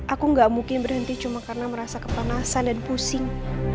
aku gak mungkin berhenti cuma karena merasa kepanasan dan pusing